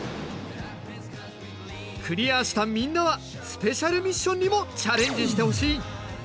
クリアしたみんなはスペシャルミッションにもチャレンジしてほしい。